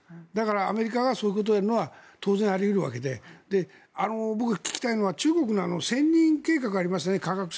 アメリカがそういうことやるのは当然あり得るわけで僕が聞きたいのは中国の１０００人計画ありましたよね、科学者。